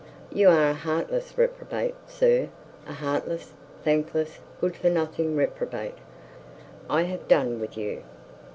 'You are a heartless reprobate, sir; a heartless, thankless, good for nothing reprobate. I have done with you.